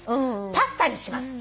パスタにします。